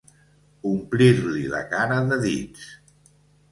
Omplir-li la cara de dits.